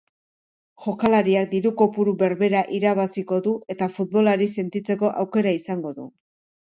Jokalariak diru kopuru berbera irabaziko du eta futbolari sentitzeko aukera izango du.